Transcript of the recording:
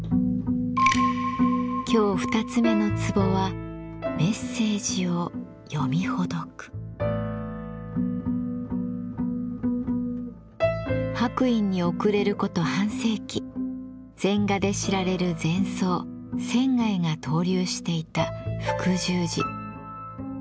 今日２つ目の壺は白隠に遅れること半世紀禅画で知られる禅僧仙が逗留していた福聚寺。